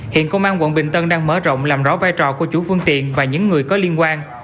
hiện công an quận bình tân đang mở rộng làm rõ vai trò của chủ phương tiện và những người có liên quan